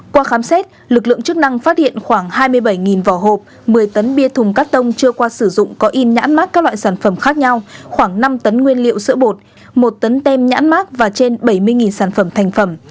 qua khám xét lực lượng chức năng phát hiện khoảng hai mươi bảy vỏ hộp một mươi tấn bia thùng cắt tông chưa qua sử dụng có in nhãn mát các loại sản phẩm khác nhau khoảng năm tấn nguyên liệu sữa bột một tấn tem nhãn mát và trên bảy mươi sản phẩm thành phẩm